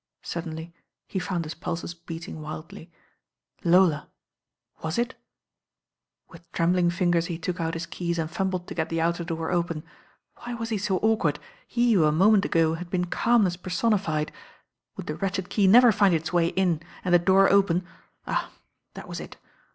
Suddenly he found his pulses beating wildly. Lola I Was it With trembling fingers he took out his keys and fumbled to get the outer door open. Why was he so awkward, he who a moment ago had been cahnness personified? Would the wretched key never find its way in and the door open? Ah I that was it.